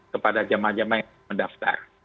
kepada jamaah jamaah yang mendaftar